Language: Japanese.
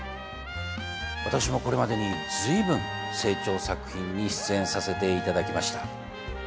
私もこれまでに随分清張作品に出演させて頂きました。